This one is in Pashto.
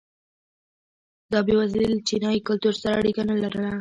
دا بېوزلي له چینايي کلتور سره اړیکه نه لرله.